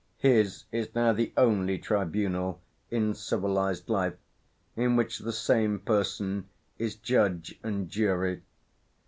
His is now the only tribunal, in civilized life, in which the same person is judge and party.